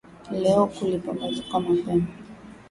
Leo kulipambazuka mapema.